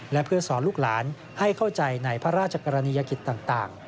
และเพื่อสอนลูกหลานให้เข้าใจในพระราชกรณียกิจต่าง